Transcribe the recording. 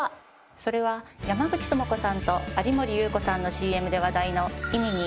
それは山口智子さんと有森裕子さんのＣＭで話題の。